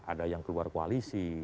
ada yang keluar koalisi